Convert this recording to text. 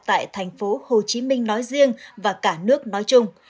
tại thành phố hồ chí minh nói riêng và cả nước nói chung